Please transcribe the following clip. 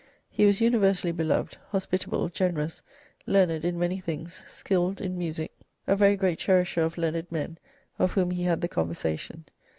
He was universally belov'd, hospitable, generous, learned in many things, skilfd in music, a very greate cherisher of learned men of whom he had the conversation